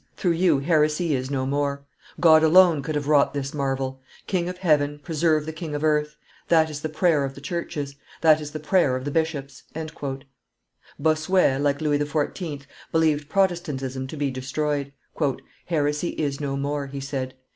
Through you heresy is no more. God alone could have wrought this marvel. King of heaven, preserve the king of earth; that is the prayer of the churches, that is the prayer of the bishops." Bossuet, like Louis XIV., believed Protestantism to be destroyed. "Heresy is no more," he said.